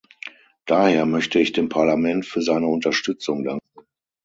Daher möchte ich dem Parlament für seine Unterstützung danken.